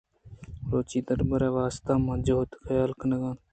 بلوچی دربرگ ءِ واست ءَ من جھد/ھیل کنگ ءَ آں